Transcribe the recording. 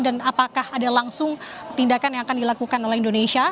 dan apakah ada langsung tindakan yang akan dilakukan oleh indonesia